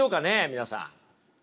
皆さん。